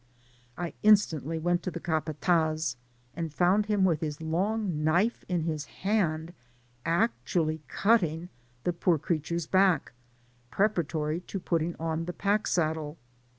I instantly went to the capatdz, and found him with his long knife in his hand, actually cutting the poor crea ture's back, preparatory to putting on the pack saddle.